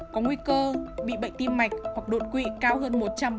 có nguy cơ bị bệnh tim mạnh hoặc đột quỵ cao hơn một trăm bốn mươi bảy